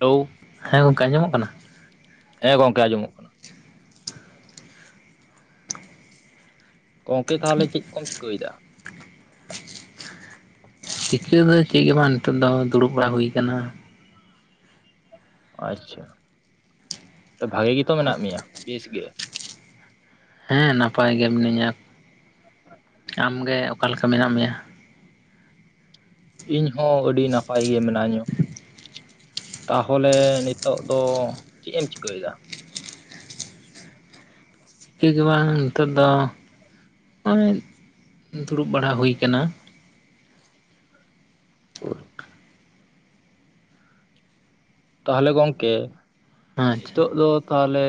Hello ᱦᱮᱸ ᱜᱚᱢᱠᱮ ᱟᱸᱡᱚᱢᱚᱜ ᱠᱟᱱᱟ? ᱦᱮᱸ ᱜᱚᱝᱠᱮ ᱟᱸᱡᱢᱚᱜ ᱠᱟᱱᱟ᱾ ᱜᱚᱝᱠᱮ ᱛᱟᱦᱚᱞᱮ ᱪᱮᱫ ᱠᱚᱢ ᱪᱤᱠᱟᱹᱭᱮᱫᱟ ᱪᱤᱠᱟᱹ ᱫᱚ ᱪᱮᱫ ᱜᱮ ᱵᱟᱝ ᱱᱤᱛᱚᱜ ᱫᱚ ᱫᱩᱲᱩᱵ ᱵᱟᱲᱟ ᱦᱩᱭ ᱟᱠᱟᱱᱟ᱾ ᱟᱪᱪᱷᱟ ᱵᱷᱟᱜᱮ ᱜᱮᱛᱚ ᱢᱮᱱᱟᱜ ᱢᱮᱭᱟ ᱵᱮᱥ ᱜᱮ ᱦᱮᱸ ᱱᱟᱯᱟᱭ ᱜᱮ ᱢᱤᱱᱟᱹᱧᱟ᱾ ᱟᱢ ᱜᱮ ᱚᱠᱟ ᱞᱮᱠᱟ ᱢᱮᱱᱟᱜ ᱢᱮᱭᱟ? ᱤᱧ ᱦᱚᱸ ᱟᱹᱰᱤ ᱱᱟᱯᱟᱭ ᱜᱮ ᱢᱤᱱᱟᱹᱧᱟᱹ ᱛᱟᱦᱚᱞᱮ ᱱᱤᱛᱳᱜ ᱫᱚ ᱪᱮᱫ ᱮᱢ ᱪᱤᱠᱟᱹᱭᱮᱫᱟ ᱪᱤᱠᱟᱹᱜᱮ ᱵᱟᱝ ᱱᱤᱛᱚᱜ ᱫᱚ ᱚᱸᱭ ᱫᱩᱲᱩᱵ ᱵᱟᱲᱟ ᱦᱩᱭ ᱟᱠᱟᱱᱟ [inaudible] ᱛᱟᱦᱚᱞᱮ ᱜᱚᱝᱠᱮ ᱟᱪᱪᱷᱟ ᱱᱤᱛᱚᱜ ᱫᱚ ᱛᱟᱦᱚᱞᱮ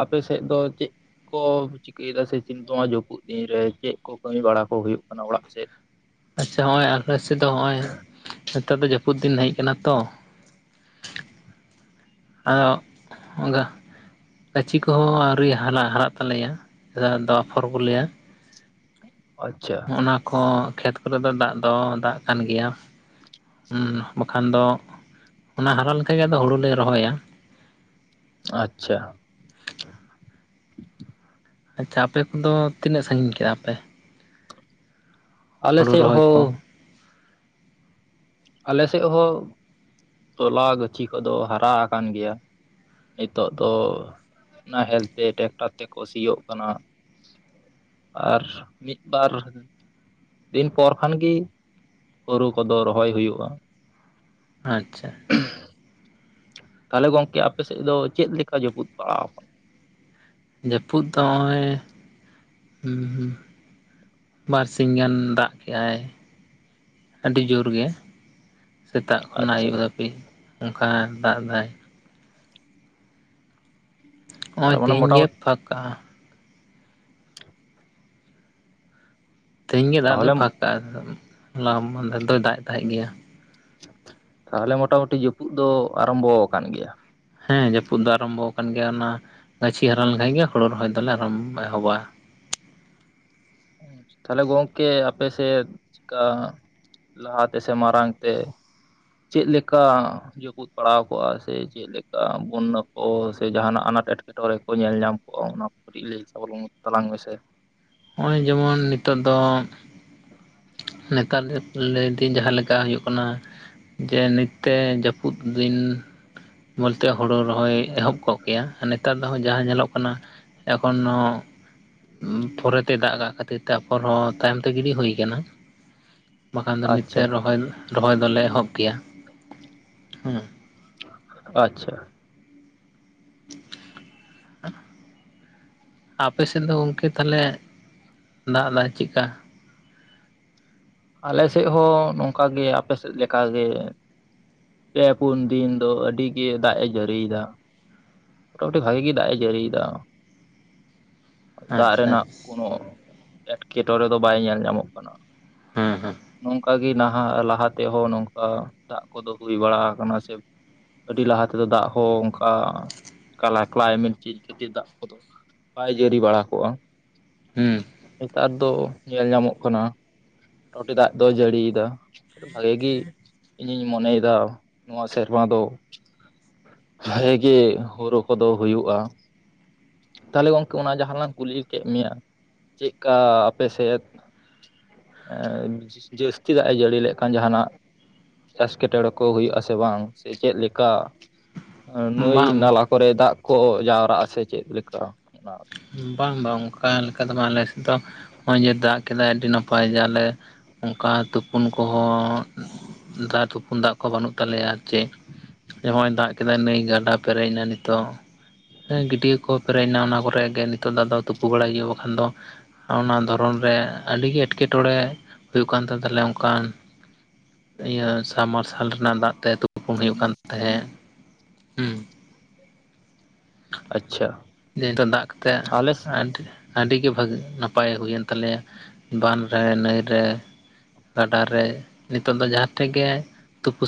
ᱟᱯᱮ ᱥᱮᱫ ᱫᱚ ᱪᱮᱫ ᱠᱚ ᱪᱤᱠᱟᱹᱭᱮᱫᱟ ᱥᱮ ᱪᱤᱱᱛᱟᱹᱼᱟ ᱡᱟᱹᱯᱩᱫ ᱫᱤᱱ ᱨᱮ ᱪᱮᱫ ᱠᱚ ᱠᱟᱹᱢᱤ ᱵᱟᱲᱟ ᱠᱚ ᱦᱩᱭᱩᱜ ᱠᱟᱱᱟ ᱚᱲᱟᱜ ᱥᱮᱫ? ᱟᱪᱪᱷᱟ ᱱᱚᱜᱼᱚᱭ ᱟᱯᱮ ᱥᱮᱫ ᱫᱚ ᱱᱚᱜᱼᱚᱭ ᱱᱮᱛᱟᱨ ᱫᱚ ᱡᱟᱹᱯᱩᱫ ᱫᱤᱱ ᱦᱮᱡ ᱠᱟᱱᱟ ᱛᱚ᱾ ᱟ ᱚᱜ ᱟᱫᱚ ᱜᱟᱹᱪᱷᱤ ᱠᱚᱦᱚᱸ ᱟᱹᱣᱨᱤ ᱦᱟᱨᱟ ᱦᱟᱨᱟᱜ ᱛᱟᱞᱮᱭᱟ ᱟᱞᱮᱥᱮᱫ ᱫᱚ ᱟᱯᱷᱚᱨ ᱠᱚ ᱞᱟᱹᱭᱟ ᱟᱪᱪᱷᱟ ᱚᱱᱟ ᱠᱚ ᱠᱷᱮᱛ ᱠᱚᱨᱮ ᱫᱚ ᱫᱟᱜ ᱫᱚ ᱫᱟᱜ ᱠᱟᱱ ᱜᱮᱭᱟ᱾ ᱦᱩᱸ ᱵᱟᱠᱷᱟᱱ ᱫᱚ ᱚᱱᱟ ᱦᱟᱨᱟ ᱞᱮᱠᱟ ᱜᱮ ᱟᱫᱚ ᱦᱩᱲᱩ ᱞᱮ ᱨᱚᱦᱚᱭᱟ᱾ ᱟᱪᱪᱷᱟ ᱟᱪᱪᱷᱟ ᱟᱯᱮ ᱠᱚᱫᱚ ᱛᱤᱱᱟᱹᱜ ᱥᱟᱺᱜᱤᱧ ᱠᱮᱫᱟᱯᱮ? ᱟᱞᱮ ᱥᱮᱫ ᱨᱚᱦᱚᱭ ᱠᱚ? ᱦᱚᱸ ᱟᱞᱮᱥᱮᱫ ᱦᱚᱸ ᱛᱚᱞᱟ ᱜᱟᱹᱪᱷᱤ ᱠᱚᱫᱚ ᱦᱟᱨᱟ ᱟᱠᱟᱱ ᱜᱮᱭᱟ᱾ ᱱᱤᱛᱚᱜ ᱫᱚ ᱱᱟᱦᱮᱞ ᱛᱮ ᱴᱮᱠᱴᱟᱨ ᱛᱮᱠᱚ ᱥᱤᱭᱳᱜ ᱠᱟᱱᱟ᱾ ᱟᱨ ᱢᱤᱫ ᱵᱟᱨ ᱫᱤᱱ ᱯᱚᱨ ᱠᱷᱟᱱᱜ ᱜᱮ ᱦᱳᱲᱳ ᱠᱚᱫᱚ ᱨᱚᱦᱚᱭ ᱦᱩᱭᱩᱜᱼᱟ ᱟᱪᱪᱷᱟ [unintelligible] ᱛᱟᱦᱚᱞᱮ ᱜᱚᱝᱠᱮ ᱟᱯᱮ ᱥᱮᱫ ᱫᱚ ᱪᱮᱫ ᱞᱮᱠᱟ ᱡᱟᱹᱯᱩᱫ ᱯᱟᱲᱟᱣ ᱟᱠᱟᱱᱟ? ᱡᱟᱹᱯᱩᱫ ᱫᱚ ᱱᱚᱜᱼᱚᱭ ᱵᱟᱨ ᱥᱤᱧ ᱜᱟᱱ ᱫᱟᱜ ᱠᱮᱜ ᱟᱭ ᱟᱹᱰᱤ ᱡᱳᱨ ᱜᱮ ᱥᱮᱛᱟᱜ ᱠᱷᱚᱱᱟᱜ ᱟᱪᱪᱷᱟ ᱟᱭᱩᱵ ᱫᱟᱹᱵᱤᱡ ᱚᱱᱠᱟ ᱫᱟᱜ ᱫᱟᱭ ᱱᱚᱜᱼᱚᱭ ᱛᱟᱨᱢᱟᱱᱮ ᱛᱮᱦᱮᱧ ᱜᱮ ᱢᱚᱴᱟᱢᱩᱴᱤ ᱯᱷᱟᱠ ᱠᱟᱜ-ᱟ ᱛᱮᱦᱮᱧ ᱜᱮ ᱫᱟᱜ ᱛᱟᱦᱚᱞᱮ ᱫᱚᱭ ᱯᱷᱟᱸᱠᱟᱜᱼᱟ ᱦᱚᱞᱟ ᱢᱟᱸᱫᱷᱮᱨ ᱫᱚᱭ ᱫᱟᱜ ᱮ ᱛᱟᱦᱮᱸᱫ ᱜᱮᱭᱟ᱾ ᱛᱟᱦᱚᱞᱮ ᱢᱚᱴᱟᱢᱩᱴᱤ ᱡᱟᱹᱯᱩᱫ ᱫᱚ ᱟᱨᱟᱢᱵᱚ ᱟᱠᱟᱱ ᱜᱮᱭᱟ᱾ ᱦᱮᱸ ᱡᱟᱹᱯᱩᱫ ᱫᱚ ᱟᱨᱟᱢᱵᱚ ᱟᱠᱟᱱ ᱜᱮᱭᱟ ᱚᱱᱟ ᱜᱟᱹᱪᱷᱤ ᱦᱟᱨᱟ ᱞᱮᱱᱠᱷᱟᱱ ᱜᱮ ᱦᱳᱲᱳ ᱨᱚᱦᱚᱭ ᱫᱚᱞᱮ ᱟᱨᱚᱢ ᱮᱦᱚᱵᱼᱟ᱾ ᱛᱟᱦᱚᱞᱮ ᱜᱚᱝᱠᱮ ᱟᱯᱮᱥᱮᱫ ᱪᱤᱠᱟ ᱞᱟᱦᱟᱛᱮ ᱥᱮ ᱢᱟᱨᱟᱝ ᱛᱮ ᱪᱮᱫ ᱞᱮᱠᱟ ᱡᱟᱹᱯᱩᱫ ᱯᱟᱲᱟᱣ ᱠᱚᱜᱼᱟ ᱥᱮ ᱪᱮᱫᱞᱮᱠᱟ ᱵᱚᱱᱱᱚ ᱠᱚ ᱥᱮ ᱡᱟᱦᱱᱟᱜ ᱟᱱᱟᱴ ᱮᱸᱴᱠᱮᱴᱚᱲᱮ ᱠᱚ ᱧᱮᱞ ᱧᱟᱢ ᱠᱚᱜᱼᱟ ᱚᱱᱟ ᱠᱟᱹᱴᱤᱡ ᱞᱟᱹᱭ [inaudible] ᱛᱟᱞᱟᱝ ᱢᱮ ᱥᱮ ᱱᱚᱜᱼᱚᱭ ᱡᱮᱢᱚᱱ ᱱᱤᱛᱚᱜ ᱫᱚ ᱱᱮᱛᱟᱨ ᱫᱚ ᱞᱟᱹᱭᱫᱟᱹᱧ ᱡᱟᱦᱟᱸ ᱞᱮᱠᱟ ᱦᱩᱭᱩᱜ ᱠᱟᱱᱟ ᱡᱮ ᱱᱤᱛᱛᱮ ᱡᱟᱹᱯᱩᱫ ᱫᱤᱱ ᱵᱚᱞᱛᱮ ᱦᱩᱲᱩ ᱨᱚᱦᱚᱭ ᱮᱦᱚᱵ ᱠᱚᱜ ᱠᱮᱭᱟ ᱟᱨ ᱱᱮᱛᱟᱨ ᱫᱚ ᱡᱟᱦᱟᱸ ᱧᱮᱞᱚᱜ ᱠᱟᱱᱟ ᱮᱠᱷᱚᱱᱳ ᱯᱚᱨᱮᱛᱮ ᱫᱟᱜ ᱠᱟᱜ ᱠᱷᱟᱹᱛᱤᱨ ᱛᱮ ᱟᱨᱯᱚᱨ ᱦᱚᱸ ᱛᱟᱭᱚᱢ ᱛᱮ ᱜᱤᱰᱤ ᱦᱩᱭ ᱟᱠᱟᱱᱟ ᱵᱟᱠᱷᱟᱱ ᱫᱚ ᱱᱤᱛᱛᱮ ᱟᱪᱪᱷᱟ ᱨᱚᱦᱚᱭ ᱨᱚᱦᱚᱭ ᱫᱚᱞᱮ ᱮᱦᱚᱵ ᱠᱮᱭᱟ ᱟᱪᱪᱷᱟ [inaudible] ᱟᱯᱮ ᱥᱮᱫ ᱫᱚ ᱜᱚᱢᱠᱮ ᱛᱟᱦᱚᱞᱮ ᱫᱟᱜ ᱮᱫᱟ ᱪᱮᱫᱠᱟ? ᱟᱞᱮ ᱥᱮᱫ ᱦᱚᱸ ᱱᱚᱝᱠᱟ ᱜᱮ ᱟᱯᱮ ᱥᱮᱫ ᱞᱮᱠᱟ ᱜᱮ᱾ ᱯᱮ ᱯᱩᱱ ᱫᱤᱱ ᱫᱚ ᱟᱹᱰᱤ ᱜᱮ ᱫᱟᱜ ᱮ ᱡᱟᱹᱲᱤᱭᱮᱫᱟ᱾ ᱢᱚᱴᱟ ᱢᱩᱴᱤ ᱵᱷᱟᱜᱤ ᱜᱮ ᱫᱟᱜ ᱮ ᱡᱟᱹᱲᱤᱭᱮᱫᱟ᱾ ᱫᱟᱜ ᱟᱪᱪᱷᱟ ᱟᱪᱪᱷᱟ ᱨᱮᱱᱟᱜ ᱠᱳᱱᱳ ᱮᱴᱠᱮᱴᱚᱬᱮ ᱫᱚ ᱵᱟᱭ ᱧᱮᱞ ᱧᱟᱢᱚᱜ ᱠᱟᱱᱟ᱾ ᱦᱮᱸ ᱦᱮᱸ ᱱᱚᱝᱠᱟ ᱜᱮ ᱱᱟᱦᱟᱜ ᱞᱟᱦᱟ ᱛᱮᱦᱚᱸ ᱱᱚᱝᱠᱟ ᱫᱟᱜ ᱠᱚᱫᱚ ᱦᱩᱭ ᱵᱟᱲᱟ ᱟᱠᱟᱱᱟ ᱥᱮ ᱟᱹᱰᱤ ᱞᱟᱦᱟ ᱛᱮ ᱫᱚ ᱫᱟᱜ ᱦᱚᱸ ᱚᱱᱠᱟ ᱠᱟᱞᱟ ᱠᱟᱞᱟᱭᱢᱮᱴ ᱪᱮᱡ ᱠᱷᱟᱹᱛᱤᱨ ᱫᱟᱜ ᱠᱚᱫᱚ ᱵᱟᱭ ᱡᱟᱹᱨᱤ ᱵᱟᱲᱟ ᱠᱚᱜ-ᱟ᱾ ᱦᱩᱸ ᱱᱮᱛᱟᱨ ᱫᱚ ᱧᱮᱞ ᱧᱟᱢᱚᱜ ᱠᱟᱱᱟ ᱢᱳᱴᱟᱢᱩᱴᱤ ᱫᱟᱜ ᱫᱚᱭ ᱡᱟᱹᱲᱤᱭ ᱫᱟ ᱵᱷᱟᱜᱤ ᱜᱮ ᱤᱧᱤᱧ ᱢᱚᱱᱮᱭᱮᱫᱟ ᱱᱚᱣᱟ ᱥᱮᱨᱢᱟ ᱫᱚ ᱦᱟᱭ ᱜᱮ ᱦᱩᱲᱩ ᱠᱚᱫᱚ ᱦᱩᱭᱩᱜ-ᱟ᱾ ᱛᱟᱦᱚᱞᱮ ᱜᱚᱝᱠᱮ ᱚᱱᱟ ᱡᱟᱦᱟᱸ ᱞᱟᱝ ᱠᱩᱞᱤ ᱠᱮᱫ ᱢᱮᱭᱟ᱾ ᱪᱮᱫᱠᱟ ᱟᱯᱮ ᱥᱮᱫ? ᱮᱸ ᱡᱟᱹᱥᱛᱤ ᱫᱟᱜ ᱮ ᱡᱟᱹᱲᱤ ᱞᱮᱜ ᱠᱷᱟᱱ ᱡᱟᱦᱟᱸᱱᱟᱜ ᱪᱟᱥ ᱠᱮᱴᱚᱬᱮ ᱠᱚ ᱦᱩᱭᱩᱜ-ᱟ ᱥᱮ ᱵᱟᱝ ᱥᱮ ᱪᱮᱫ ᱞᱮᱠᱟ? ᱱᱟᱹᱭ ᱵᱟᱝ ᱱᱟᱞᱟ ᱠᱚᱨᱮ ᱫᱟᱜ ᱠᱚ ᱡᱟᱣᱨᱟᱜ-ᱟ ᱥᱮ ᱪᱮᱫ ᱞᱮᱠᱟ ᱚᱱᱟ? ᱵᱟᱝ ᱵᱟᱝ ᱚᱱᱠᱟ ᱞᱮᱠᱟ ᱫᱚ ᱵᱟᱝ ᱟᱞᱮ ᱥᱮᱫ ᱫᱚ ᱱᱚᱜ-ᱚᱭ ᱡᱮ ᱫᱟᱜ ᱠᱮᱫᱟᱭ ᱟᱹᱰᱤ ᱱᱟᱯᱟᱭ ᱡᱟᱞᱮ ᱚᱱᱠᱟ ᱛᱩᱯᱩᱱ ᱠᱚᱦᱚᱸ ᱫᱟᱜ ᱛᱩᱯᱩᱱ ᱫᱟᱜ ᱠᱚ ᱠᱚ ᱵᱟᱹᱱᱩᱜ ᱛᱟᱞᱮᱭᱟ ᱡᱮ ᱱᱚᱜ-ᱚᱭ ᱫᱟᱜ ᱠᱮᱫᱟᱭ ᱱᱟᱹᱭ ᱜᱟᱰᱟ ᱯᱮᱨᱮᱡ ᱮᱱᱟ ᱱᱤᱛᱚᱜ ᱦᱮᱸ ᱜᱟᱹᱰᱭᱟᱹ ᱠᱚ ᱯᱮᱨᱮᱡ ᱮᱱᱟ, ᱚᱱᱟ ᱠᱚᱨᱮ ᱜᱮ ᱱᱤᱛᱚᱜ ᱫᱚ ᱟᱫᱚ ᱛᱩᱯᱩ ᱵᱟᱲᱟᱭ ᱦᱩᱭᱩᱜ-ᱟ᱾ ᱵᱟᱠᱷᱟᱱ ᱫᱚ ᱚᱱᱟ ᱫᱷᱚᱨᱚᱱ ᱨᱮ ᱟᱹᱰᱤ ᱜᱮ ᱮᱴᱠᱮ ᱴᱚᱬᱮ ᱦᱩᱭᱩᱜ ᱠᱟᱱ ᱛᱟᱦᱮᱸᱫ ᱛᱟᱦᱚᱞᱮ ᱚᱱᱠᱟᱱ ᱤᱭᱟᱹ ᱥᱟᱵᱢᱟᱨᱥᱟᱞ ᱨᱮᱱᱟᱜ ᱫᱟᱜ ᱛᱮ ᱛᱩᱯ ᱛᱩᱯᱩᱱ ᱦᱩᱭᱩᱜ ᱠᱟᱱ ᱛᱟᱦᱮᱸᱜ᱾ ᱦᱩᱸ ᱟᱪᱪᱷᱟ ᱱᱮ ᱱᱤᱛᱚᱜ ᱫᱟᱜ ᱠᱟᱛᱮ ᱟᱞᱮ ᱟᱹᱰᱤ ᱟᱹᱰᱤ ᱜᱮ ᱵᱷᱟᱜᱮ ᱱᱟᱯᱟᱭ ᱦᱩᱭᱮᱱ ᱛᱟᱞᱮᱭᱟ ᱵᱟᱱ ᱨᱮ ᱱᱟᱹᱭ ᱨᱮ ᱜᱟᱰᱟ ᱨᱮ ᱱᱤᱛᱚᱜ ᱫᱚ ᱡᱟᱦᱟᱸ ᱴᱷᱮᱡ ᱜᱮ ᱛᱩᱯᱩ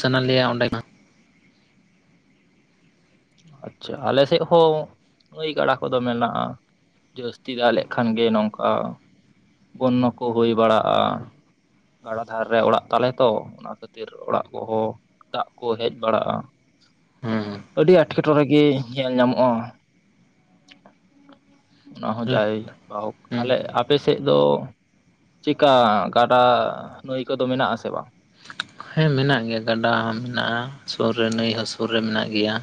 ᱥᱟᱱᱟ ᱞᱮᱭᱟ ᱚᱸᱰᱮ ᱢᱟ ᱟᱪᱪᱷᱟ ᱟᱞᱮ ᱥᱮᱫ ᱦᱚᱸ ᱱᱟᱭ ᱜᱟᱰᱟ ᱠᱚᱫᱚ ᱢᱮᱱᱟᱜ-ᱟ ᱡᱟᱹᱥᱛᱤ ᱫᱟᱜ ᱞᱮᱠᱷᱟᱱ ᱜᱮ ᱱᱚᱝᱠᱟ ᱵᱚᱱᱱᱚ ᱠᱚ ᱦᱩᱭ ᱵᱟᱲᱟᱜ-ᱟ ᱜᱟᱰᱟ ᱫᱷᱟᱨᱮ ᱨᱮ ᱚᱲᱟᱜ ᱛᱟᱞᱮ ᱛᱚ ᱚᱱᱟ ᱠᱷᱟᱹᱛᱤᱨ ᱚᱲᱟᱜ ᱠᱚᱦᱚᱸ ᱫᱟᱜ ᱠᱚ ᱦᱮᱡ ᱵᱟᱲᱟᱜ-ᱟ ᱦᱚᱸ ᱟᱹᱰᱤ ᱮᱴᱠᱮ ᱴᱚᱬᱮ ᱜᱮ ᱧᱮᱞ ᱧᱟᱢᱚᱜ-ᱟ ᱚᱱᱟ ᱦᱚᱸ ᱡᱟᱭ ᱦᱳᱠ ᱛᱟᱦᱚᱞᱮ ᱦᱩᱸ ᱟᱯᱮ ᱥᱮᱫ ᱫᱚ ᱪᱮᱠᱟ ᱜᱟᱰᱟ ᱱᱟᱹᱭ ᱠᱚᱫᱚ ᱢᱮᱱᱟᱜ ᱟᱥᱮ ᱵᱟᱝ ᱦᱮᱸ ᱢᱮᱱᱟᱜ ᱜᱮᱭᱟ ᱜᱟᱰᱟ ᱦᱚᱸ ᱢᱮᱱᱟᱜ-ᱟ ᱥᱩᱨ ᱨᱮ ᱱᱟᱹᱭ ᱦᱚᱸ ᱥᱩᱨ ᱨᱮ ᱢᱮᱱᱟᱜ ᱜᱮᱭᱟ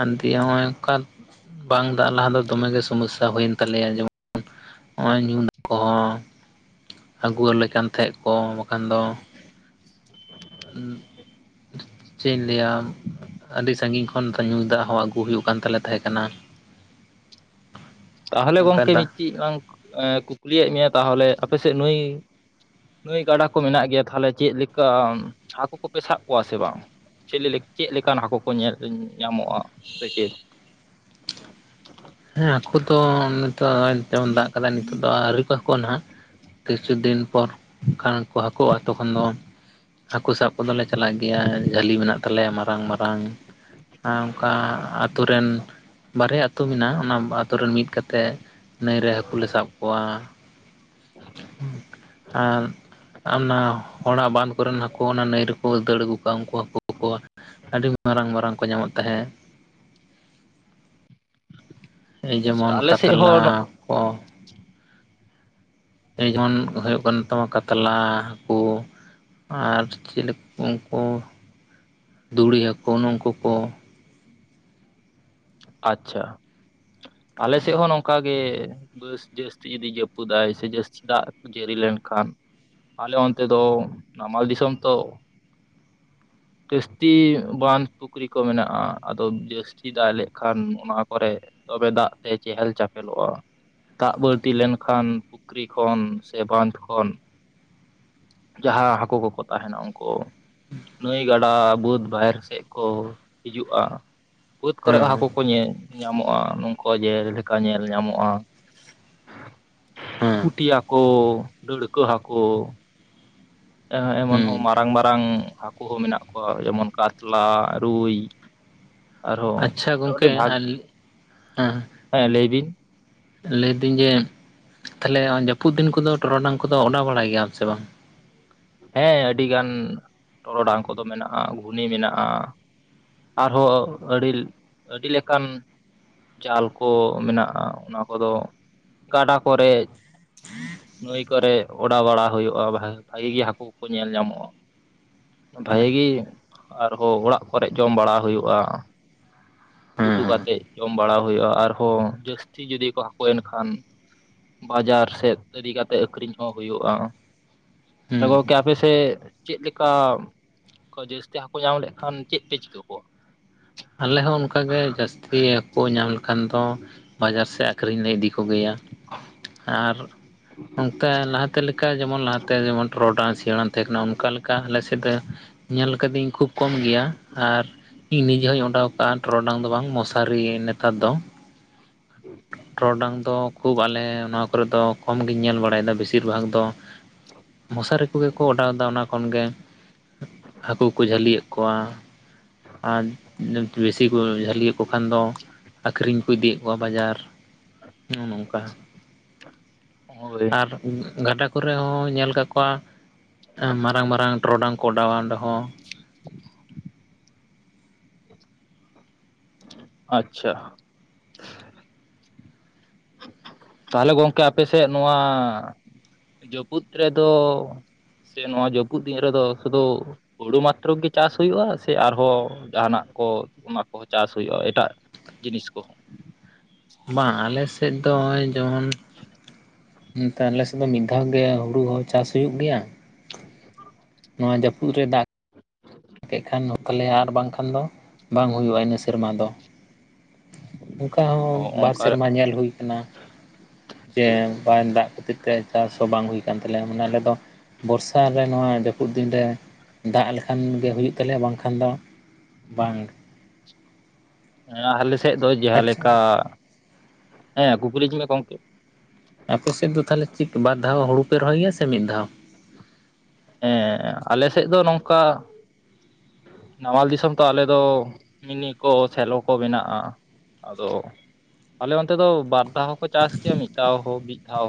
ᱟᱨ ᱫᱤᱭᱮ ᱱᱚᱜ-ᱚᱭ ᱱᱚᱝᱠᱟᱱ ᱵᱟᱝ ᱫᱟᱜ ᱞᱟᱦᱟ ᱫᱚ ᱫᱚᱢᱮᱜ ᱜᱮ ᱥᱚᱢᱚᱥᱥᱟ ᱦᱩᱭᱮᱱ ᱛᱟᱞᱮᱭᱟ ᱡᱮᱢᱚᱱ ᱱᱚᱜ-ᱚᱭ ᱧᱩ ᱠᱚᱦᱚᱸ ᱟᱹᱜᱩ ᱣᱟᱞᱮ ᱠᱟᱱ ᱛᱟᱦᱮᱸᱜ ᱠᱚ ᱵᱟᱠᱷᱟᱱ ᱫᱚ ᱪᱮᱫ ᱤᱧ ᱞᱟᱹᱭᱟ ᱟᱹᱰᱤ ᱥᱟᱺᱜᱤᱧ ᱠᱷᱚᱱ ᱥᱮ ᱧᱩ ᱫᱟᱜ ᱦᱚᱸ ᱟᱹᱜᱩ ᱦᱩᱭᱩᱜ ᱠᱟᱱ ᱛᱟᱞᱮ ᱛᱟᱦᱮᱸ ᱠᱟᱱᱟ ᱛᱟᱦᱚᱞᱮ ᱚᱱᱠᱟ ᱜᱚᱢᱠᱮ ᱫᱟᱜ ᱢᱤᱫᱴᱤᱡ ᱞᱟᱝ ᱠᱩᱠᱞᱤᱭᱮᱫ ᱢᱮᱭᱟ ᱛᱟᱦᱚᱞᱮ ᱟᱯᱮ ᱥᱮᱫ ᱱᱩᱭ ᱱᱟᱹᱭ ᱜᱟᱰᱟ ᱠᱚ ᱢᱮᱱᱟᱜ ᱜᱮᱭᱟ ᱛᱟᱦᱚᱞᱮ ᱪᱮᱫ ᱞᱮᱠᱟ ᱦᱟᱹᱠᱩ ᱠᱚᱯᱮ ᱥᱟᱵ ᱠᱚᱣᱟ ᱥᱮ ᱵᱟᱝ ᱪᱤᱞᱤ ᱞᱮ ᱪᱮᱫ ᱞᱮᱠᱟᱱ ᱦᱟᱹᱠᱩ ᱠᱚ ᱧᱮᱞ ᱧᱟᱢᱚᱜ-ᱟ ᱥᱮ ᱪᱮᱫ ᱦᱮᱸ ᱦᱟᱹᱠᱩ ᱫᱚ ᱱᱤᱛᱳᱜ ᱛᱮᱢᱚᱱ ᱫᱟᱜ ᱟᱠᱟᱫᱟᱭ ᱱᱤᱛᱳᱜ ᱫᱚ ᱟᱹᱣᱨᱤ ᱠᱚ ᱦᱟᱹᱠᱩᱜ-ᱟ ᱱᱷᱟᱜ ᱠᱤᱪᱷᱩ ᱫᱤᱱ ᱯᱚᱨ ᱠᱷᱟᱱ ᱠᱚ ᱦᱟᱹᱠᱩᱜ-ᱟ ᱛᱚᱠᱷᱚᱱ ᱫᱚ ᱦᱟᱹᱠᱩ ᱥᱟᱵ ᱠᱚᱫᱚ ᱞᱮ ᱪᱟᱞᱟᱜ ᱜᱮᱭᱟ ᱡᱷᱟᱹᱞᱤ ᱢᱮᱱᱟᱜ ᱛᱟᱞᱮᱭᱟ ᱢᱟᱨᱟᱝ ᱢᱟᱨᱟᱝ ᱚᱱᱠᱟ ᱟᱛᱳ ᱨᱮᱱ ᱵᱟᱨᱭᱟ ᱟᱹᱛᱩ ᱢᱮᱱᱟᱜ-ᱟ ᱚᱱᱟ ᱟᱹᱛᱩ ᱨᱮᱱ ᱢᱤᱫ ᱠᱟᱛᱮ ᱛᱮ ᱱᱟᱹᱭ ᱨᱮ ᱦᱟᱹᱠᱩ ᱞᱮ ᱥᱟᱵ ᱠᱚᱣᱟ ᱟᱨ ᱚᱱᱟ ᱦᱚᱲᱟᱜ ᱵᱟᱸᱫᱷ ᱠᱚᱨᱮᱱ ᱦᱟᱹᱠᱩ ᱚᱱᱟ ᱱᱟᱹᱭ ᱨᱮᱠᱚ ᱫᱟᱹᱲ ᱟᱹᱜᱩ ᱠᱟᱜᱼᱟ ᱩᱱᱠᱩ ᱦᱟᱹᱠᱩ ᱠᱚ ᱟᱹᱰᱤ ᱢᱟᱨᱟᱝ ᱢᱟᱨᱟᱝ ᱠᱚ ᱧᱟᱢᱚᱜ ᱛᱟᱦᱮᱸᱜ ᱮᱭ ᱟᱪᱪᱷᱟ ᱡᱮᱢᱚᱱ ᱟᱞᱮ ᱥᱮᱫ ᱠᱟᱛᱞᱟ ᱦᱚᱸ ᱠᱚ ᱮᱭ ᱡᱮᱢᱚᱱ ᱦᱳᱜᱳᱜ ᱠᱟᱱ ᱛᱟᱢᱟ ᱠᱟᱛᱞᱟ ᱦᱟᱹᱠᱩ ᱟᱨ ᱪᱮᱞᱮᱠ ᱩᱱᱠᱩ ᱫᱷᱩᱲᱤ ᱦᱟᱠᱩ ᱱᱚᱠᱩ ᱠᱚ ᱟᱪᱪᱷᱟ ᱟᱞᱮ ᱥᱮᱫ ᱦᱚᱸ ᱱᱚᱝᱠᱟ ᱜᱮ ᱵᱟᱹᱥ ᱡᱟᱹᱥᱛᱤ ᱡᱩᱫᱤ ᱡᱟᱹᱯᱩᱫᱟᱭ ᱥᱮ ᱡᱟᱹᱥᱛᱤ ᱫᱟᱜ ᱡᱟᱹᱲᱤ ᱞᱮᱱᱠᱷᱟᱱ ᱟᱞᱮ ᱚᱱᱛᱮ ᱫᱚ ᱱᱟᱢᱟᱞ ᱫᱤᱥᱚᱢ ᱛᱚ ᱡᱟᱹᱥᱛᱤ ᱵᱟᱸᱫᱷ ᱯᱩᱠᱷᱨᱤ ᱠᱚ ᱢᱮᱱᱟᱜᱼᱟ ᱟᱫᱚ ᱡᱟᱹᱥᱛᱤ ᱫᱟᱜ ᱞᱮᱠᱷᱟᱱ ᱚᱱᱟ ᱠᱚᱨᱮ ᱛᱚᱵᱮ ᱫᱟᱜ ᱛᱮ ᱪᱮᱦᱮᱞ ᱪᱟᱯᱮᱞᱚᱜᱼᱟ ᱫᱟᱜ ᱵᱟᱹᱲᱛᱤ ᱞᱮᱱ ᱠᱷᱟᱱ ᱯᱩᱠᱷᱨᱤ ᱠᱷᱚᱱ ᱥᱮ ᱵᱟᱸᱫᱷ ᱠᱷᱚᱱ ᱡᱟᱦᱟᱸ ᱦᱟᱹᱠᱩ ᱠᱚᱠᱚ ᱛᱟᱦᱮᱱᱟ ᱩᱱᱠᱩ ᱱᱟᱹᱭ ᱜᱟᱰᱟ ᱵᱟᱹᱫᱽ ᱵᱟᱦᱮᱨ ᱥᱮᱫ ᱠᱚ ᱦᱤᱡᱩᱜᱼᱟ ᱵᱟᱹᱫᱽ ᱠᱚᱨᱮ ᱦᱟᱹᱠᱩ ᱦᱮᱸ ᱠᱚ ᱧᱟᱹ ᱧᱟᱢᱚᱜᱼᱟ ᱱᱚᱝᱠᱟ ᱡᱮᱞᱮᱠᱟ ᱧᱮᱞ ᱧᱟᱢᱚᱜᱼᱟ ᱦᱮᱸ ᱯᱩᱴᱤᱭᱟ ᱦᱟᱹᱠᱩ ᱰᱟᱹᱲᱠᱟᱹ ᱦᱟᱹᱠᱩ ᱮᱢᱚᱱ ᱦᱚᱸ ᱦᱩᱸ ᱢᱟᱨᱟᱝ ᱢᱟᱨᱟᱝ ᱦᱟᱹᱠᱩ ᱦᱚᱸ ᱢᱮᱱᱟᱜ ᱠᱚᱣᱟ ᱡᱮᱢᱚᱱ ᱠᱟᱛᱞᱟ ᱨᱩᱭ ᱟᱨᱦᱚᱸ ᱟᱪᱪᱷᱟ ᱢᱚᱴᱟᱢᱩᱴᱤ ᱜᱚᱝᱠᱮ ᱵᱷᱟᱜᱽ ᱟᱨ ᱦᱮᱸ ᱦᱮᱸ ᱞᱟᱹᱭ ᱵᱤᱱ ᱞᱟᱹᱭᱫᱟᱹᱧ ᱡᱮ ᱛᱟᱦᱚᱞᱮ ᱡᱟᱹᱯᱩᱫ ᱫᱤᱱ ᱠᱚᱫᱚ ᱴᱚᱨᱚᱰᱟᱝ ᱠᱚᱫᱚ ᱚᱰᱟᱣ ᱵᱟᱲᱟᱭ ᱜᱮᱭᱟᱟᱢ ᱥᱮ ᱵᱟᱝ ᱦᱮᱸ ᱟᱹᱰᱤ ᱜᱟᱱ ᱴᱚᱨᱚᱰᱟᱝ ᱠᱚᱫᱚ ᱢᱮᱱᱟᱜᱼᱟ ᱜᱷᱩᱱᱤ ᱢᱮᱱᱟᱜᱼᱟ ᱟᱨᱦᱚᱸ ᱟᱹᱰᱤ ᱟᱹᱰᱤ ᱞᱮᱠᱟᱱ ᱡᱟᱞ ᱠᱚ ᱢᱮᱱᱟᱜᱼᱟ ᱚᱱᱟ ᱠᱚᱫᱚ ᱜᱟᱰᱟ ᱠᱚᱨᱮ ᱱᱟᱹᱭ ᱠᱚᱨᱮᱜ ᱚᱰᱟᱣ ᱵᱟᱲᱟ ᱦᱩᱭᱩᱜᱼᱟ ᱵᱷᱟᱹᱜᱤ ᱜᱮ ᱦᱟᱹᱠᱩ ᱠᱚᱠᱚ ᱧᱮᱞ ᱧᱟᱢᱚᱜᱼᱟ ᱵᱷᱟᱜᱤ ᱜᱮ ᱟᱨᱦᱚᱸ ᱚᱲᱟᱜ ᱠᱚᱨᱮ ᱡᱚᱢ ᱵᱟᱲᱟ ᱦᱩᱭᱩᱜᱼᱟ ᱩᱛᱩ ᱦᱮᱸ ᱠᱟᱛᱮᱫ ᱡᱚᱢ ᱵᱟᱲᱟ ᱦᱩᱭᱩᱜᱼᱟ ᱟᱨᱦᱚᱸ ᱡᱟᱹᱥᱛᱤ ᱡᱩᱫᱤ ᱠᱚ ᱦᱟᱹᱠᱩ ᱮᱱ ᱠᱷᱟᱱ ᱵᱟᱡᱟᱨ ᱥᱮᱫ ᱤᱫᱤ ᱠᱟᱛᱮᱫ ᱟᱠᱷᱨᱤᱧ ᱦᱚᱸ ᱦᱩᱭᱩᱜᱼᱟ ᱛᱚ ᱦᱮᱸ ᱦᱩᱸ ᱜᱚᱢᱠᱮ ᱟᱯᱮᱥᱮᱫ ᱪᱮᱫ ᱞᱮᱠᱟ ᱠᱚ ᱡᱟᱹᱥᱛᱤ ᱦᱟᱹᱠᱩ ᱧᱟᱢ ᱞᱮᱠᱷᱟᱱ ᱪᱮᱫ ᱯᱮ ᱪᱤᱠᱟᱹ ᱠᱚᱣᱟ ᱟᱞᱮ ᱦᱚᱸ ᱚᱱᱠᱟ ᱜᱮ ᱡᱟᱹᱥᱛᱤ ᱦᱟᱠᱳ ᱧᱟᱢ ᱞᱮ ᱞᱮᱠᱷᱟᱱ ᱫᱚ ᱵᱟᱡᱟᱨ ᱥᱮᱫ ᱟᱹᱠᱷᱨᱤᱧ ᱞᱮ ᱤᱫᱤ ᱠᱚᱜᱮᱭᱟ ᱟᱨ [inaudible] ᱚᱱᱠᱟ ᱞᱟᱦᱟᱛᱮ ᱞᱮᱠᱟ ᱡᱮᱢᱚᱱ ᱞᱟᱦᱟᱛᱮ ᱡᱮᱢᱚᱱ ᱴᱨᱚᱰᱟᱝ ᱥᱤᱲᱟᱹᱱ ᱛᱟᱦᱮᱸ ᱠᱟᱱᱟ ᱚᱱᱠᱟ ᱞᱮᱠᱟ ᱟᱞᱮ ᱥᱮᱫ ᱫᱚ ᱧᱮᱞ ᱟᱠᱟᱫᱟᱹᱧ ᱠᱷᱩᱵ ᱠᱚᱢ ᱜᱮᱭᱟ ᱟᱨ ᱤᱧ ᱱᱤᱡᱮ ᱦᱚᱧ ᱮᱰᱟᱣ ᱠᱟᱜᱼᱟ ᱴᱨᱚᱰᱟᱝ ᱫᱚ ᱵᱟᱝ ᱢᱚᱥᱟᱨᱤ ᱱᱮᱛᱟᱨ ᱫᱚ ᱴᱨᱚᱰᱟᱝ ᱫᱚ ᱠᱷᱩᱵ ᱟᱞᱮ ᱚᱱᱟ ᱠᱚᱨᱮᱫ ᱫᱚ ᱠᱚᱢ ᱜᱤᱧ ᱧᱮᱞ ᱵᱟᱲ ᱵᱟᱲᱟᱭᱟ ᱵᱮᱥᱤᱨ ᱵᱷᱟᱜᱽ ᱫᱚ ᱢᱚᱥᱟᱨᱤ ᱠᱚᱜᱮ ᱠᱚ ᱚᱰᱟᱣ ᱮᱫᱟ ᱚᱱᱟ ᱠᱷᱚᱱ ᱜᱮ ᱦᱟᱹᱠᱩ ᱠᱚ ᱡᱷᱟᱹᱞᱤᱭᱮᱫ ᱠᱚᱣᱟ ᱟᱨ ᱵᱮᱥᱤ ᱠᱚ ᱡᱷᱟᱹᱞᱤ ᱮᱫ ᱠᱚ ᱠᱷᱟᱱ ᱫᱚ ᱟᱹᱠᱷᱨᱤᱧ ᱠᱚ ᱤᱫᱤᱭᱮᱫ ᱠᱚᱣᱟ ᱵᱟᱡᱟᱨ ᱱᱚᱜᱼᱚᱸ ᱱᱚᱝᱠᱟ ᱦᱳᱭ ᱟᱨ ᱜᱷᱟᱰᱟ ᱠᱚᱨᱮ ᱦᱚᱸ ᱧᱮᱞ ᱟᱠᱟᱫ ᱠᱚᱣᱟ ᱢᱟᱨᱟᱝ ᱢᱟᱨᱟᱝ ᱴᱨᱚᱰᱟᱝ ᱠᱚ ᱚᱰᱟᱣᱟ ᱚᱸᱰᱮ ᱦᱚᱸ [inaudible] ᱟᱪᱪᱷᱟ ᱛᱟᱦᱚᱞᱮ ᱜᱚᱝᱠᱮ ᱟᱯᱮ ᱥᱮᱫ ᱱᱚᱣᱟ ᱡᱟᱹᱯᱩᱫ ᱨᱮᱫᱚ ᱥᱮ ᱱᱚᱣᱟ ᱡᱟᱹᱯᱩᱫ ᱫᱤᱱ ᱨᱮᱫᱚ ᱥᱩᱫᱷᱩ ᱦᱳᱲᱩ ᱢᱟᱛᱨᱚ ᱜᱮ ᱪᱟᱥ ᱦᱩᱭᱩᱜᱼᱟ ᱥᱮ ᱟᱨᱦᱚᱸ ᱡᱟᱦᱟᱸᱱᱟᱜ ᱠᱚ ᱚᱱᱟ ᱠᱚᱦᱚᱸ ᱪᱟᱥ ᱦᱩᱭᱩᱜᱼᱟ ᱮᱴᱟᱜ ᱡᱤᱱᱤᱥ ᱠᱚᱦᱚᱸ ᱵᱟᱝ ᱟᱞᱮᱥᱮᱫ ᱫᱚ ᱱᱚᱜᱼᱚᱭ ᱡᱮᱢᱚᱱ [inaudible] ᱦᱩᱸ ᱛᱟᱦᱞᱮ ᱥᱩᱫᱷᱩ ᱢᱤᱫ ᱫᱷᱟᱣ ᱜᱮ ᱦᱩᱲᱩ ᱦᱚᱸ ᱪᱟᱥ ᱦᱩᱭᱩ ᱜᱮᱭᱟ ᱱᱚᱣᱟ ᱡᱟᱹᱯᱩᱫ ᱨᱮ ᱫᱟᱜ ᱠᱮᱫ ᱠᱷᱟᱱ ᱱᱚᱛᱟᱞᱮᱭᱟ ᱟᱨ ᱵᱟᱝᱠᱷᱟᱱ ᱫᱚ ᱵᱟᱝ ᱦᱩᱭᱩᱜᱼᱟ ᱤᱱᱟᱹ ᱥᱮᱨᱢᱟ ᱫᱚ ᱚᱱᱠᱟ ᱦᱚᱸ ᱵᱟᱨ ᱚᱱᱠᱟ ᱥᱮᱨᱢᱟ ᱧᱮᱞ ᱦᱩᱭ ᱠᱟᱱᱟ ᱡᱮ ᱵᱟᱝ ᱫᱟᱜ ᱠᱷᱟᱹᱛᱤᱨ ᱪᱟᱥ ᱦᱚᱸ ᱵᱟᱝ ᱦᱩᱭ ᱠᱟᱱᱟ ᱛᱟᱞᱮᱭᱟ ᱢᱟᱱᱮ ᱟᱞᱮ ᱫᱚ ᱵᱚᱨᱥᱟ ᱨᱮ ᱱᱚᱣᱟ ᱡᱟᱹᱯᱩᱫ ᱫᱤᱱᱨᱮ ᱫᱟᱜ ᱞᱮᱠᱷᱟᱱ ᱜᱮ ᱦᱩᱭᱩᱜ ᱛᱟᱞᱮᱭᱟ ᱵᱟᱝᱠᱷᱟᱱ ᱫᱚ ᱵᱟᱝ ᱦᱮᱸ ᱟᱞᱮ ᱥᱮᱫ ᱫᱚ ᱡᱟᱦᱟᱸᱞᱮᱠᱟ ᱟᱪᱪᱷᱟ ᱦᱮᱸ ᱠᱩᱠᱞᱤᱪ ᱢᱮ ᱜᱚᱢᱠᱮ ᱟᱯᱮ ᱥᱮᱫ ᱫᱚ ᱛᱟᱦᱚᱞᱮ ᱪᱮᱫ ᱵᱟᱨ ᱫᱷᱟᱣ ᱦᱩᱲᱩ ᱯᱮ ᱨᱚᱦᱚᱭ ᱜᱮᱭᱟ ᱥᱮ ᱢᱤᱫ ᱫᱷᱟᱣ ᱦᱮᱸ ᱟᱞᱮ ᱥᱮᱫ ᱫᱚ ᱱᱚᱝᱠᱟ ᱱᱟᱢᱟᱞ ᱫᱤᱥᱚᱢ ᱛᱚ ᱟᱞᱮᱫᱚ ᱢᱤᱱᱤ ᱠᱚ ᱥᱮᱞᱚ ᱠᱚ ᱢᱮᱱᱟᱜᱼᱟ ᱟᱫᱚ ᱟᱞᱮ ᱚᱱᱛᱮ ᱫᱚ ᱵᱟᱨ ᱦᱚᱸᱠᱚ ᱪᱟᱥ ᱜᱮᱭᱟ ᱢᱤᱫ ᱫᱷᱟ ᱦᱳ ᱢᱤᱫ ᱫᱷᱟᱣ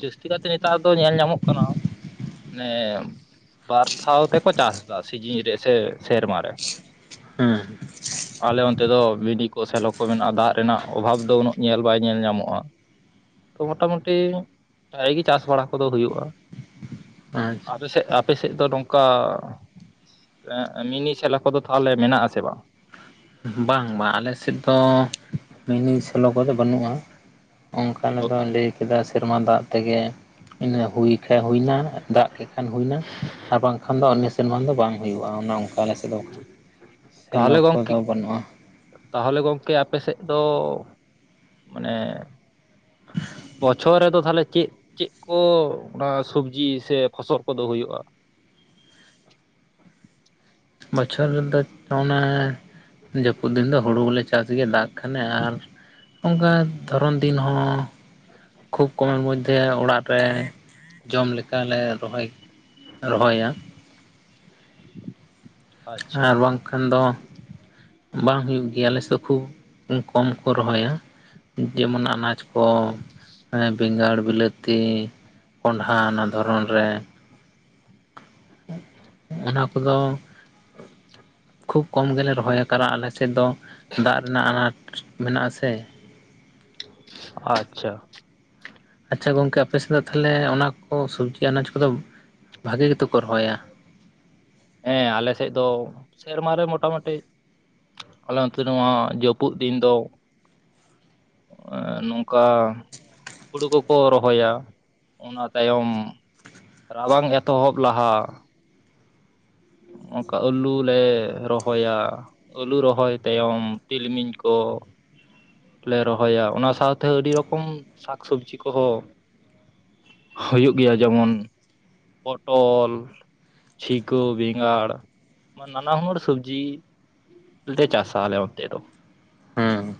ᱡᱟᱹᱥᱛᱤ ᱠᱟᱨᱛᱮ ᱱᱮᱛᱟᱨ ᱫᱚ ᱧᱮᱞ ᱧᱟᱢᱚᱜ ᱠᱟᱱᱟ [unintelligible] ᱵᱟᱨ ᱫᱷᱟᱣ ᱛᱮᱠᱚ ᱪᱟᱥ ᱮᱫᱟ ᱥᱤᱡᱤᱱ ᱨᱮ ᱥᱮ ᱥᱮᱨᱢᱟ ᱨᱮ ᱦᱩᱸ ᱟᱞᱮ ᱚᱱᱛᱮ ᱫᱚ ᱢᱤᱱᱤ ᱠᱚ ᱥᱮᱞᱚ ᱠᱚ ᱢᱮᱱᱟᱜᱼᱟ ᱫᱟᱜ ᱨᱮᱱᱟᱜ ᱚᱵᱷᱟᱵᱽ ᱫᱚ ᱩᱱᱟᱹᱜ ᱧᱮᱞ ᱵᱟᱭ ᱧᱮᱞ ᱧᱟᱢᱚᱜᱼᱟ ᱛᱚ ᱢᱚᱴᱟᱢᱩᱴᱤ ᱵᱷᱟᱜᱤ ᱜᱮ ᱪᱟᱥ ᱵᱟᱲᱟ ᱠᱚᱫᱚ ᱦᱩᱭᱩᱜᱼᱟ ᱟᱪᱪᱷᱟ ᱟᱯᱮᱥᱮᱫ ᱟᱯᱮᱥᱮᱫ ᱫᱚ ᱱᱚᱝᱠᱟ ᱢᱤᱱᱤ ᱥᱮᱞᱚ ᱠᱚᱫᱚ ᱛᱟᱦᱚᱞᱮ ᱢᱮᱱᱟᱜ ᱟᱥᱮ ᱵᱟᱝ ᱵᱟᱝ ᱵᱟᱝ ᱟᱞᱮᱥᱮᱫ ᱫᱚ ᱢᱤᱱᱤ ᱥᱮᱞᱳ ᱠᱚᱫᱚ ᱵᱟᱹᱱᱩᱜᱼᱟ ᱚᱱᱠᱟᱱ ᱫᱚ ᱞᱟᱹᱭ ᱠᱮᱫᱟ ᱥᱮᱨᱢᱟ ᱫᱟᱜ ᱛᱮᱜᱮ ᱤᱱᱟᱹ ᱦᱩᱭ ᱦᱩᱭᱱᱟ ᱫᱟᱜ ᱠᱮ ᱠᱷᱟᱱ ᱦᱩᱭᱱᱟ ᱟᱨ ᱵᱟᱝᱠᱷᱟᱱ ᱫᱚ ᱤᱱᱟᱹ ᱥᱮᱨᱢᱟ ᱫᱚ ᱵᱟᱝ ᱦᱩᱭᱩᱜᱼᱟ ᱚᱱᱮ ᱚᱱᱠᱟ ᱟᱞᱮ ᱥᱮᱫ ᱫᱚ ᱚᱱᱠᱟ ᱥᱮᱞᱳ ᱛᱟᱦᱚᱞᱮ ᱜᱚᱝᱠᱮ ᱠᱚᱫᱚ ᱵᱟᱹᱱᱩᱜᱼᱟ ᱛᱟᱦᱚᱞᱮ ᱜᱚᱝᱠᱮ ᱟᱯᱮ ᱥᱮᱫ ᱫᱚ ᱢᱟᱱᱮ ᱵᱚᱪᱷᱚᱨ ᱨᱮᱫᱚ ᱛᱟᱦᱚᱞᱮ ᱪᱮᱫ ᱪᱮᱫ ᱠᱚ ᱚᱱᱟ ᱥᱚᱵᱡᱤ ᱥᱮ ᱯᱷᱚᱥᱚᱞ ᱠᱚᱫᱚ ᱦᱩᱭᱩᱜᱼᱟ ᱵᱚᱪᱷᱚᱨ ᱨᱮᱫᱚ ᱚᱱᱮ ᱡᱟᱹᱯᱩᱫ ᱫᱤᱱ ᱫᱚ ᱦᱩᱲᱩ ᱜᱮᱞᱮ ᱪᱟᱥ ᱜᱮ ᱫᱟᱜ ᱠᱷᱟᱱᱮ ᱟᱨ ᱚᱱᱠᱟ ᱫᱷᱚᱨᱚᱱ ᱫᱤᱱ ᱦᱚᱸ ᱠᱷᱩᱵᱽ ᱠᱚᱢᱮᱨ ᱢᱚᱫᱽᱫᱷᱮ ᱚᱲᱟᱜ ᱨᱮ ᱡᱚᱢ ᱞᱮᱠᱟᱞᱮ ᱨᱚᱦᱚᱭ ᱨᱚᱦᱚᱭᱟ ᱟᱪᱪᱷᱟ ᱟᱨ ᱵᱟᱝᱠᱷᱟᱱ ᱫᱚ ᱵᱟᱝ ᱦᱩᱭᱩᱜ ᱜᱮᱭᱟ ᱟᱞᱮᱥᱮ ᱠᱷᱩᱵ ᱠᱚᱢ ᱠᱚ ᱨᱚᱦᱚᱭᱟ ᱡᱮᱢᱚᱱ ᱟᱱᱟᱡᱽ ᱠᱚ ᱠᱚ ᱵᱮᱸᱜᱟᱲ ᱵᱤᱞᱟᱹᱛᱤ ᱠᱚᱸᱰᱷᱟ ᱚᱱᱟ ᱫᱷᱚᱨᱚᱱ ᱨᱮ ᱚᱱᱟ ᱠᱚᱫᱚ ᱠᱷᱩᱵ ᱠᱚᱢ ᱜᱮᱞᱮ ᱨᱚᱦᱚᱭᱟ ᱟᱞᱮ ᱥᱮᱫ ᱫᱚ ᱫᱟᱜ ᱨᱮᱱᱟᱜ ᱟᱱᱟᱴ ᱢᱮᱱᱟᱜᱼᱟ ᱥᱮ ᱟᱪᱪᱷᱟ ᱟᱪᱪᱷᱟ ᱜᱚᱝᱠᱮ ᱟᱯᱮᱥᱮᱫ ᱫᱚ ᱛᱟᱦᱚᱞᱮ ᱚᱱᱟ ᱠᱚ ᱥᱚᱵᱽᱡᱤ ᱟᱱᱟᱡᱽ ᱠᱚᱫᱚ ᱵᱷᱟᱹᱜᱤ ᱜᱮᱛᱚ ᱠᱚ ᱨᱚᱦᱚᱭᱟ ᱦᱮᱸ ᱟᱞᱮ ᱥᱮᱫ ᱫᱚ ᱥᱮᱨᱢᱟ ᱨᱮ ᱢᱚᱴᱟᱢᱩᱴᱤ ᱟᱞᱮ ᱚᱱᱛᱮ ᱱᱚᱣᱟ ᱡᱟᱹᱯᱩᱫ ᱫᱤᱱ ᱫᱚ ᱟ ᱱᱚᱝᱠᱟ ᱦᱩᱲᱩ ᱠᱚᱠᱚ ᱨᱚᱦᱚᱭᱟ ᱚᱱᱟ ᱛᱟᱭᱚᱢ ᱨᱟᱵᱟᱝ ᱮᱛᱚᱦᱚᱵ ᱞᱟᱦᱟ ᱚᱱᱠᱟ ᱟᱹᱞᱩ ᱞᱮ ᱨᱚᱦᱚᱭᱟ ᱟᱹᱞᱩ ᱨᱚᱦᱚᱭ ᱛᱟᱭᱚᱢ ᱛᱤᱞᱢᱤᱧ ᱠᱚ ᱞᱮ ᱨᱚᱦᱚᱭᱟ ᱚᱱᱟ ᱥᱟᱶᱛᱮ ᱟᱹᱰᱤ ᱨᱚᱠᱚᱢ ᱥᱟᱠᱥᱚᱵᱽᱡᱤ ᱠᱚᱦᱚᱸ ᱦᱩᱭᱩᱜ ᱜᱮᱭᱟ ᱡᱮᱢᱚᱱ ᱯᱚᱴᱚᱞ ᱪᱷᱤᱠᱳ ᱵᱮᱸᱜᱟᱲ ᱱᱟᱱᱟ ᱦᱩᱱᱟᱹᱨ ᱥᱚᱵᱽᱡᱤ ᱰᱮ ᱪᱟᱥᱟ ᱟᱞᱮ ᱚᱱᱛᱮ ᱫᱚ ᱦᱩᱸ